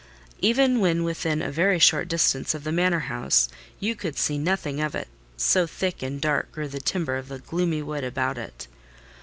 Even when within a very short distance of the manor house, you could see nothing of it, so thick and dark grew the timber of the gloomy wood about it.